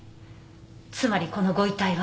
つまりこのご遺体は。